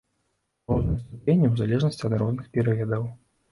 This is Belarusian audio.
У рознай ступені ў залежнасці ад розных перыядаў.